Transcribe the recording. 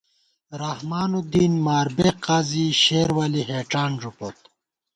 رحمان الدین، ماربیگ قاضی، شیرولی ہېڄان ݫُوپوت